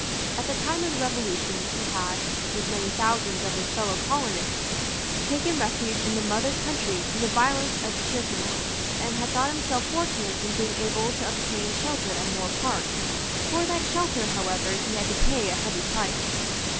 At the time of the Revolution, he had, with many thousands of his fellow colonists, taken refuge in the mother country from the violence of Tyrconnel, and had thought himself fortunate in being able to obtain shelter at Moor Park. For that shelter, however, he had to pay a heavy price.